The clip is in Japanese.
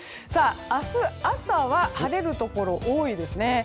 明日朝は晴れるところが多いですね。